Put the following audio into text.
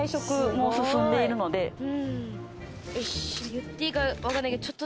言っていいか分かんないけど。